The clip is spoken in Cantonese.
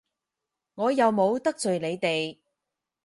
我又冇得罪你哋！